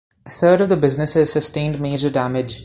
A third of the businesses sustained major damage.